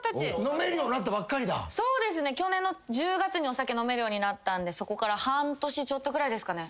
そうですね去年の１０月にお酒飲めるようになったんでそこから半年ちょっとぐらいですかね。